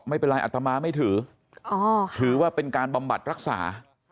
ไม่เป็นไรอัตมาไม่ถือถือว่าเป็นการบำบัดรักษา